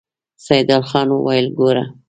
سيدال خان وويل: ګوره!